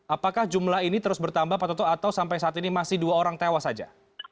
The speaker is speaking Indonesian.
apakah jumlah ini terus bertambah pak toto atau sampai saat ini masih dua orang tewas saja